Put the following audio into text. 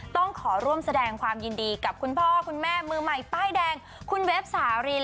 ต้องขอร่วมแสดงความยินดีกับคุณพ่อคุณแม่มือใหม่ป้ายแดงคุณเวฟสาริน